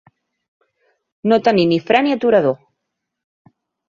No tenir ni fre ni aturador.